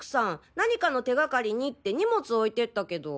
何かの手がかりにって荷物置いてったけど。